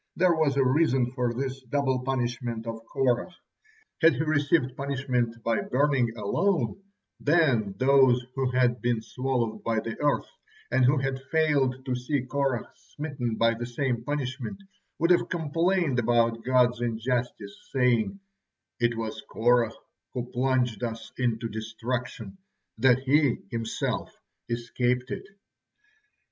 There was a reason for this double punishment of Korah. Had he received punishment by burning alone, then those who had been swallowed by the earth, and who had failed to see Korah smitten by the same punishment, would have complained about God's injustice, saying: "It was Korah who plunged us into destruction, yet he himself escaped it."